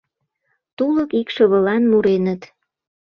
Тулык икшывылан муреныт.